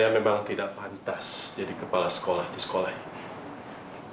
memang tidak pantas jadi kepala sekolah di sekolah ini